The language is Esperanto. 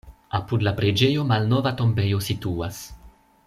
Apud la preĝejo malnova tombejo situas.